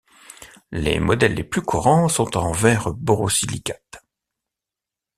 Les modèles les plus courants sont en verre borosilicate.